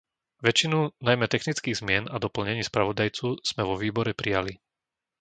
Väčšinu najmä technických zmien a doplnení spravodajcu sme vo výbore prijali.